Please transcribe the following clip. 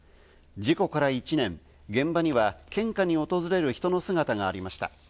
事故から１年、現場には献花に訪れる人の姿がありました。